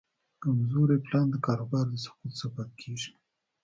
کمزوری پلان د کاروبار د سقوط سبب کېږي.